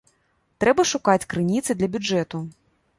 Трэба шукаць крыніцы для бюджэту.